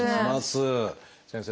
先生